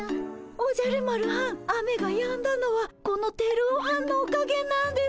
おじゃる丸はん雨がやんだのはこのテルオはんのおかげなんです。